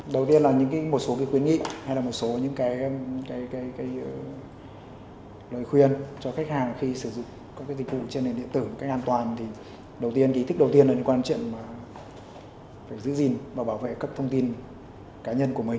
đầu tiên là một số cái khuyến nghị hay là một số những cái lời khuyên cho khách hàng khi sử dụng các cái dịch vụ trên nền điện tử một cách an toàn thì đầu tiên ký thức đầu tiên là những quan trọng mà phải giữ gìn và bảo vệ các thông tin cá nhân của mình